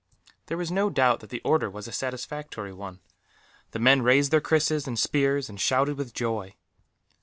There was no doubt that the order was a satisfactory one. The men raised their krises and spears, and shouted with joy.